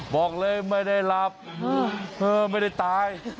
บอกเลยไม่ได้หลับไม่ได้ตาย